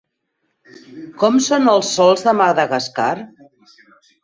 Com són els sòls de Madagascar?